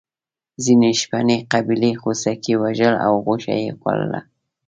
ځینې شپنې قبیلې خوسکي وژل او غوښه یې خوړله.